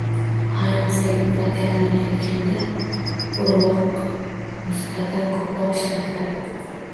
Ayniqsa, yupqa tayyorlanayotganda urvoqnisbatan ko`proq ishlatiladi